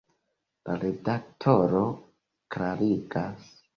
La redaktoro klarigas.